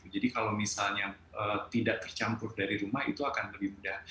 jadi kalau misalnya tidak tercampur dari rumah itu akan berdiri